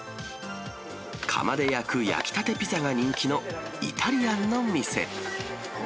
窯で焼く焼きたてピザが人気のイタリアンの店。